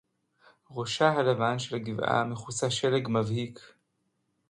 רֹאשָׁהּ הַלָּבָן שֶׁל הַגִּבְעָה הַמְּכֻסָּה שֶׁלֶג מַבְהִיק.